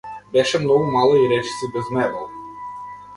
Беше многу мала и речиси без мебел.